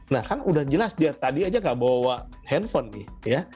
nah kan udah jelas dia tadi aja nggak bawa handphone nih ya